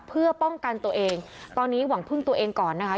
เพื่อป้องกันตัวเองตอนนี้หวังพึ่งตัวเองก่อนนะคะ